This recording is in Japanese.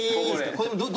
これ。